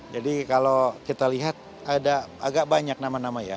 jadi kalau kita lihat ada agak banyak nama nama ya